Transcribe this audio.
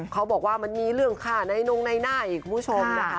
เขาบอกว่ามันมีเรื่องฆ่าในนงในหน้าอีกคุณผู้ชมนะ